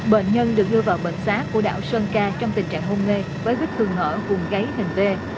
bệnh nhân được đưa vào bệnh xá của đảo sơn ca trong tình trạng hôn nghê với vết thương ngỡ cùng gáy hình tê